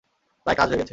প্রায় কাজ হয়ে গেছে!